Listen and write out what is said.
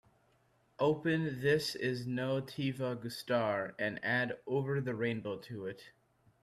Open this is no te va gustar and add Over the rainbow to it